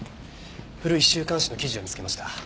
古い週刊誌の記事を見つけました。